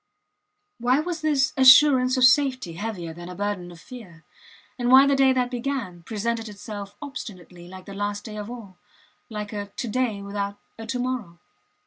Why was this assurance of safety heavier than a burden of fear, and why the day that began presented itself obstinately like the last day of all like a to day without a to morrow?